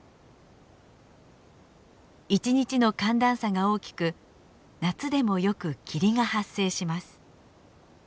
一日の寒暖差が大きく夏でもよく霧が発生します。